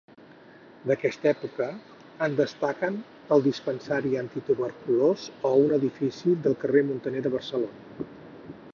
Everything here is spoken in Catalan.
D'aquesta època en destaquen el Dispensari Antituberculós o un edifici del carrer Muntaner de Barcelona.